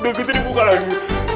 udah kutu dibuka lagi